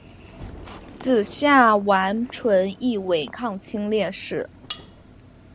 子夏完淳亦为抗清烈士。